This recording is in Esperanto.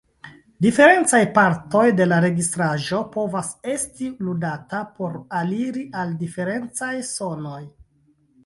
Diferencaj partoj de la registraĵo povas esti ludata por aliri al diferencaj sonoj.